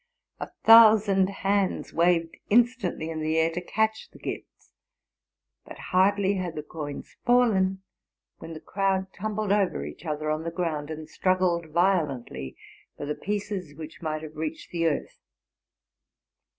A thousand hands waved in stantly in the air to catch the gifts; but hardly had the coins fallen when the crowd tumbled over each other on the ground, and struggled violently for the pieces which might have reached the earth.